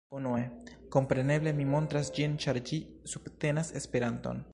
Unue, kompreneble mi montras ĝin ĉar ĝi subtenas Esperanton